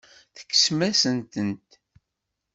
Tekksemt-asen-ten.